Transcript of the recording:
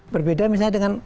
berbeda misalnya dengan